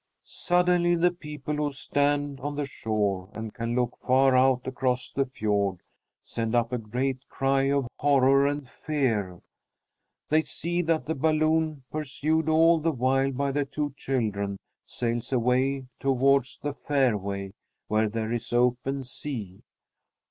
Suddenly the people who stand on the shore and can look far out across the fiord send up a great cry of horror and fear. They see that the balloon, pursued all the while by the two children, sails away toward the fairway, where there is open sea.